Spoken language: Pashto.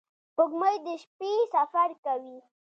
• سپوږمۍ د شپې سفر کوي.